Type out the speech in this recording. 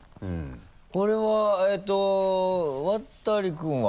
これはえっと渡君は？